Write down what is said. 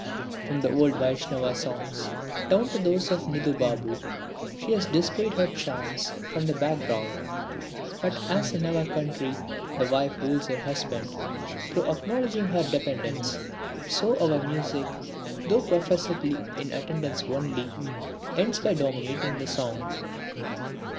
From the old Vaishnava songs down to those of Nidhu Babu she has displayed her charms from the background. But as in our country the wife rules her husband through acknowledging her dependence, so our music, though professedly in attendance only, ends by dominating the song.